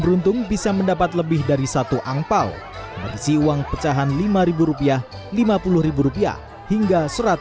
beruntung bisa mendapat lebih dari satu angpao berisi uang pecahan lima rupiah lima puluh rupiah hingga